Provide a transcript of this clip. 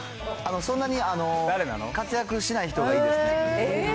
そんなに活躍しない人がいいですね。